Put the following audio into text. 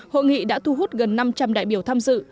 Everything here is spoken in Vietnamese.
hội nghị đã thu hút gần năm trăm linh đại biểu tham dự